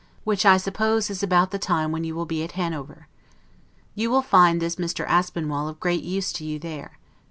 which I suppose is about the time when you will be at Hanover. You will find this Mr. Aspinwall of great use to you there.